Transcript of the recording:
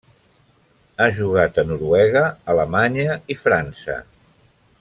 Ha jugat a Noruega, Alemanya i França.